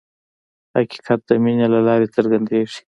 حقیقت د مینې له لارې څرګندېږي.